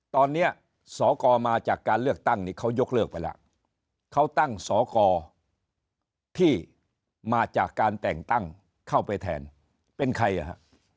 ตอนนี้สกมาจากการเลือกตั้งนี่เขายกเลิกไปแล้วเขาตั้งสอกรที่มาจากการแต่งตั้งเข้าไปแทนเป็นใครอ่ะฮะ